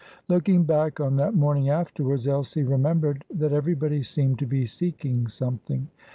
Looking back on that morning afterwards, Elsie remembered that everybody seemed to be seeking something.